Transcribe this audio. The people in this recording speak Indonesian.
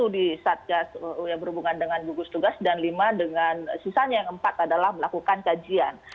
satu di satgas yang berhubungan dengan gugus tugas dan lima dengan sisanya yang empat adalah melakukan kajian